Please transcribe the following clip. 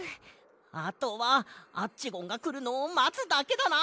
あとはアッチゴンがくるのをまつだけだな！